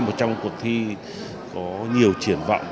một trong cuộc thi có nhiều triển vọng